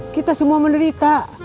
kita semua menderita